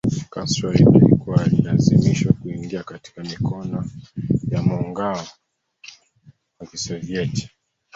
Castro alidai kuwa alilazimishwa kuingia katika mikono ya muungao wa kisovieti